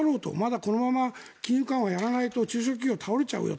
このまま金融緩和をやらないと中小企業が倒れちゃうよと。